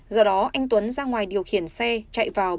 do đó anh tuấn ra ngoài điều khiển xe chạy vùng đường